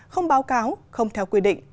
không báo cáo không theo quy định